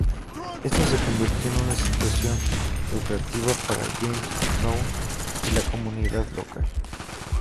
Esto se convirtió en una situación lucrativa para James Brown y la comunidad local.